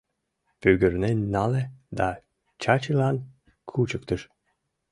Пӱгырнен нале да Чачилан кучыктыш.